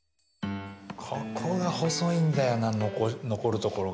ここが細いんだよな残るところが。